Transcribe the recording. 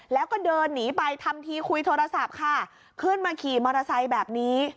แล้วก็เดินหนีไปทำทีคุยโทรศัพท์ค่ะขึ้นมาขี่มอเตอร์ไซค์แบบนี้